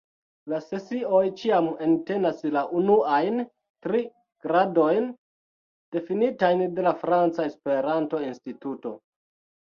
La sesioj ĉiam entenas la unuajn tri gradojn difinitajn de la Franca Esperanto-Instituto.